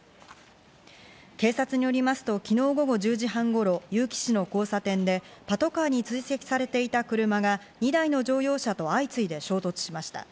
警察によりますと、昨日午後１０時半頃、結城市の交差点でパトカーに追跡されていた車が、２台の乗用車と相次いで衝突しました。